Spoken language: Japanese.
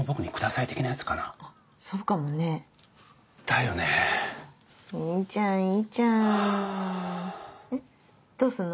いいじゃんいいじゃんどうすんの？